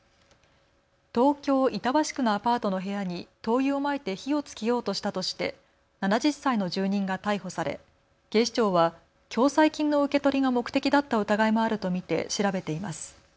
東京板橋区のアパートの部屋に灯油をまいて火をつけようとしたとして７０歳の住人が逮捕され警視庁は共済金の受け取りが目的だった疑いもあると見て調べています。